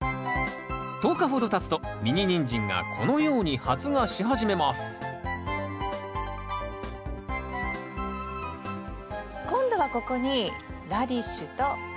１０日ほどたつとミニニンジンがこのように発芽し始めます今度はここにラディッシュと小カブのタネをまきます。